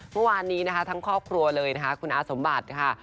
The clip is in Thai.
เมื่อวานนี้นะคะทั้งครอบครัวเลยนะคะคุณอาสมบัติค่ะ